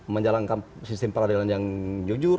menjalankan sistem peradilan yang jujur